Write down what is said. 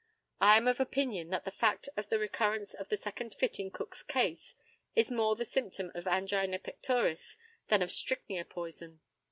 I am of opinion that the fact of the recurrence of the second fit in Cook's case is more the symptom of angina pectoris than of strychnia poison.